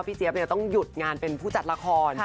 เจี๊ยบต้องหยุดงานเป็นผู้จัดละคร